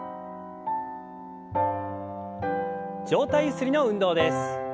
上体ゆすりの運動です。